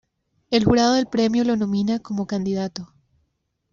El jurado del Premio lo nomina como candidato.